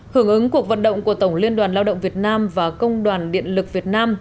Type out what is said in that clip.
hưởng ứng cuộc vận động của tổng liên đoàn lao động việt nam và công đoàn điện lực việt nam